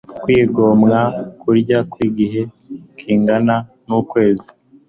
Kwigomwa kurya kwigihe kingana nukwezi